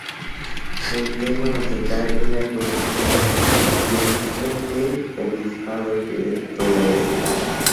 El tema a tratar era la cuestión de la primacía del obispado de Toledo.